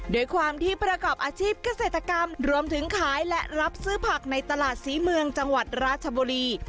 ด้วยความที่ประกอบอาชีพเกษตรกรรมรวมถึงขายและรับซื้อผักในตลาดศรีเมืองจังหวัดราชบุรี